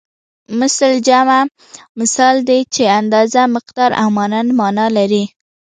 مثل جمع مثال دی چې اندازه مقدار او مانند مانا لري